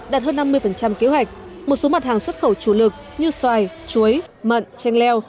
đạt hơn năm mươi kế hoạch một số mặt hàng xuất khẩu chủ lực như xoài chuối mận chanh leo